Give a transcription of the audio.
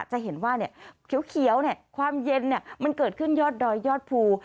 จะเห็นว่าเขียวความเย็นมันเกิดขึ้นยอดดอยยอดภู